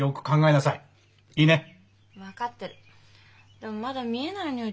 でもまだ見えないのよ